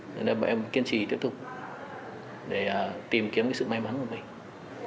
nên em kiên trì tiếp tục để tìm kiếm cái sự may mắn của mình